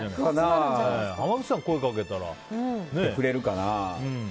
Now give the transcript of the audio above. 濱口さんが声をかけたら。来てくれるかな。